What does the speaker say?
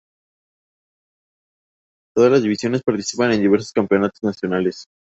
Todas las divisiones participan en diversos campeonatos nacionales.